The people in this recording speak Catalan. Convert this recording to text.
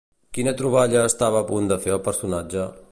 Quina troballa estava a punt de fer el personatge?